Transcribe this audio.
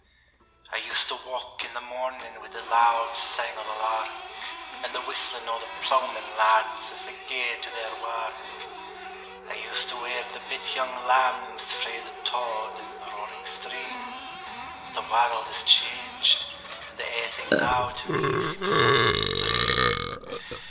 I used to wauk in the morning Wi' the loud sang o' the lark, And the whistling o' the ploughman lads, As they gaed to their wark; I used to wear the bit young lambs Frae the tod and the roaring stream; But the warld is changed, and a' thing now To me seems like a dream.